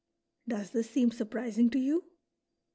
" Does this seem surprising to you ?